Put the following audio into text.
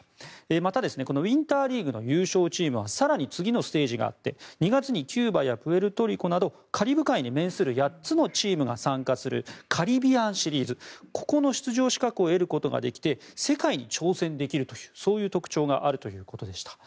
また、ウィンターリーグの優勝チームは更に次のステージがあって２月にキューバやプエルトリコなどカリブ海に面する８つのチームが参加するカリビアンシリーズの出場資格を得ることができて世界に挑戦できるという特徴があるということでした。